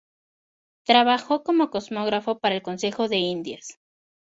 Trabajó como cosmógrafo para el Consejo de Indias.